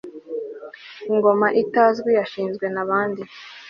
Ingoma itazwi yashinzwe nabande